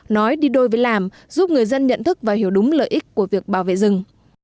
nói đi đôi với làm giúp người dân nhận thức và hiểu đúng lợi ích của việc bảo vệ rừng